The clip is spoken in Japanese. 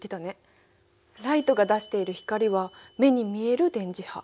ライトが出している光は目に見える電磁波。